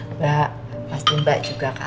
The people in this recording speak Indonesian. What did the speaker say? mbak pasti mbak juga kan